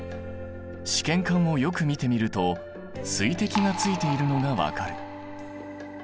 試験管をよく見てみると水滴がついているのが分かる。